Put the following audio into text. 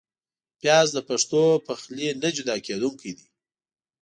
پیاز د پښتو پخلي نه جدا کېدونکی دی